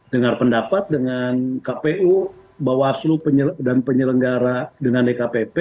dengar pendapat dengan kpu bawaslu dan penyelenggara dengan dkpp